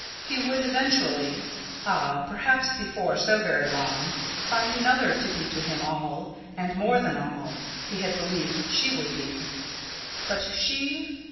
He would eventually ah, perhaps before so very long find another to be to him all, and more than all, he had believed she could be. But she?